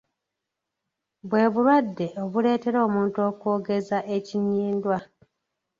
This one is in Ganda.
Bwe bulwadde obuleetera omuntu okwogeza ekinnyindwa.